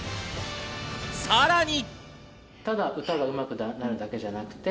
さらに。